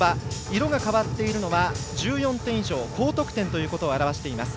色が変わっているのが１４点以上高得点ということを表しています。